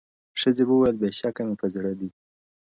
• ښځي وویل بېشکه مي په زړه دي-